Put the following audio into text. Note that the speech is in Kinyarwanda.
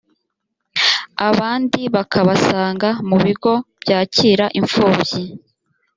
abandi bakabasanga mu bigo byakira imfubyi